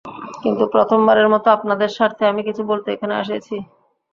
কিন্তু প্রথমবারের মতো, আপনাদের স্বার্থে আমি কিছু বলতে এখানে এসেছি।